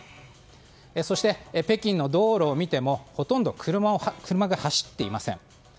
そして、北京の道路を見てもほとんど車が走っていません。